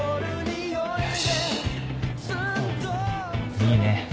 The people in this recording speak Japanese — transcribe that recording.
いいね。